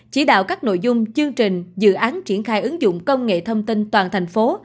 chỉ đạo các nội dung chương trình dự án triển khai ứng dụng công nghệ thông tin toàn thành phố